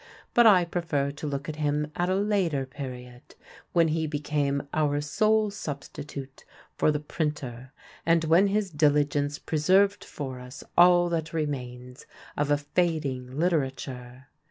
But I prefer to look at him at a later period, when he became our sole substitute for the printer and when his diligence preserved for us all that remains of a fading literature.